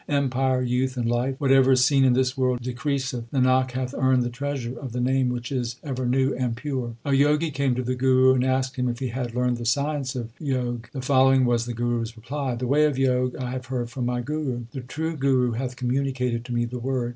Empire, youth, and life whatever is seen in this world decreaseth. Nanak hath earned the treasure of the Name which is ever new and pure. A Jogi came to the Guru and asked him if he had learned the science of Jog. The following was the Guru s reply : The way of Jog I have heard from my Guru ; The true Guru hath communicated to me the Word.